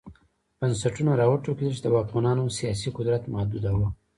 بنسټونه را وټوکېدل چې د واکمنانو سیاسي قدرت محدوداوه.